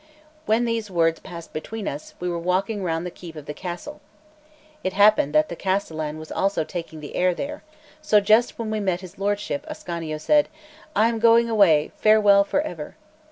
When these words passed between us, we were walking round the keep of the castle. It happened that the castellan was also taking the air there; so just when we met his lordship Ascanio said: "I am going away; farewell for ever!"